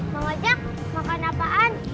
mau aja makan apaan